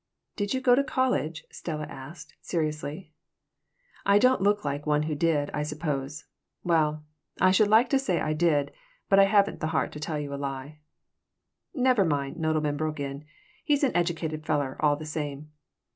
"Did you go to college?" Stella asked, seriously "I don't look like one who did, I suppose. Well, I should like to say I did, but I haven't the heart to tell you a lie." "Never mind," Nodelman broke in. "He's an educated fellar, all the same.